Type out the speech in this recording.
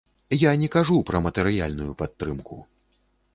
Я не кажу пра матэрыяльную падтрымку.